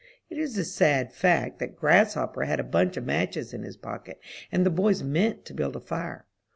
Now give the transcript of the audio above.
It is a sad fact that "Grasshopper" had a bunch of matches in his pocket, and the boys meant to build a fire.